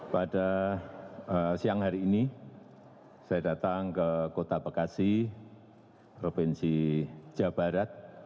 pada siang hari ini saya datang ke kota bekasi provinsi jawa barat